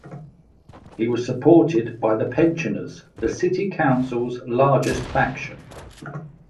He was supported by the Pensioners, the city council's largest faction.